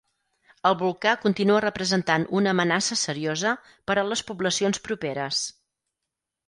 El volcà continua representant una amenaça seriosa per a les poblacions properes.